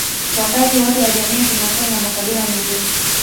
Wakazi wote wa jamii ya kimasai na makabila mengine